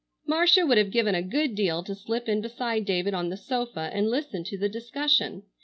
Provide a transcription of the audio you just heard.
Marcia would have given a good deal to slip in beside David on the sofa and listen to the discussion.